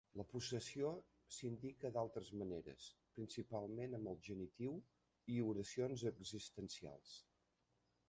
La possessió s'indica d'altres maneres, principalment amb el genitiu i oracions existencials.